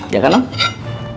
ya kan om